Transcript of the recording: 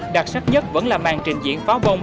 đặc sắc nhất vẫn là màn trình diễn pháo bông